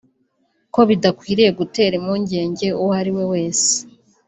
ko bidakwiriye gutera impungenge uwo ari we wese